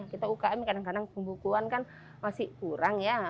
kita ukm kadang kadang pembukuan kan masih kurang ya